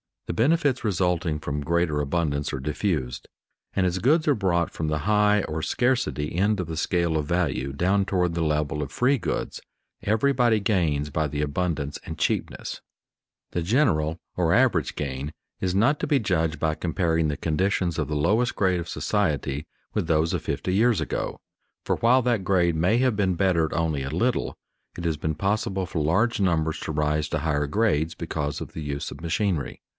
The benefits resulting from greater abundance are diffused, and as goods are brought from the high, or scarcity, end of the scale of value down toward the level of free goods, everybody gains by the abundance and cheapness. [Sidenote: Some grades gain more than others] The general, or average, gain is not to be judged by comparing the conditions of the lowest grade of society with those of fifty years ago, for while that grade may have been bettered only a little, it has been possible for large numbers to rise to higher grades because of the use of machinery.